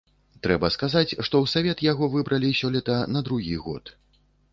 Трэба сказаць, што ў савет яго выбралі сёлета на другі год.